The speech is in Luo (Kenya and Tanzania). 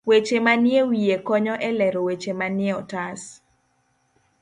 Weche manie wiye konyo e lero weche manie otas.